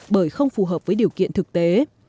bởi không phù hợp với điều kiện thực tế